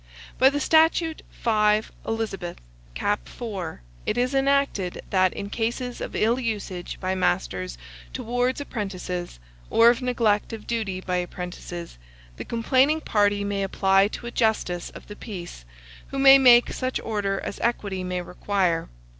By the statute 5 Eliz. cap. 4, it is enacted that, in cases of ill usage by masters towards apprentices, or of neglect of duty by apprentices, the complaining party may apply to a justice of the peace, who may make such order as equity may require.